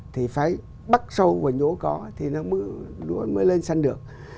thì phải bắt sâu vào nhũa có thì lúa mới lên xanh được